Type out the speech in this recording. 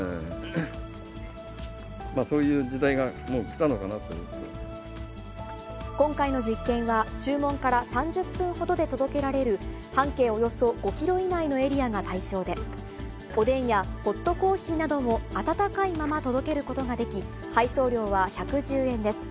そういう時代がもう来たのかなと今回の実験は、注文から３０分ほどで届けられる、半径およそ５キロ以内のエリアが対象で、おでんやホットコーヒーなども、温かいまま届けることができ、配送料は１１０円です。